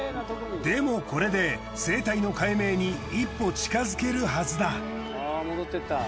でもこれで生態の解明に一歩近づけるはずだ。